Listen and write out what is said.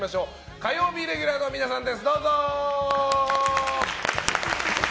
火曜日レギュラーの皆さんです！